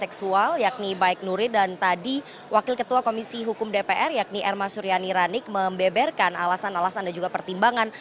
seksual yakni baik nuril dan tadi wakil ketua komisi hukum dpr yakni erma suryani ranik membeberkan alasan alasan dan juga pertimbangan